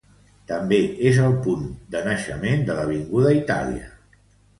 També és el punt de naixement de l'Avinguda Itàlia.